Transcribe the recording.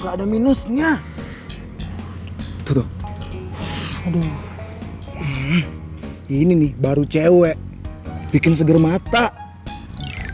bikin kaki yang bagus ini nih baru cewek bikin kaki yang bagus ini nih baru cewek bikin kaki yang bagus